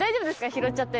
拾っちゃって。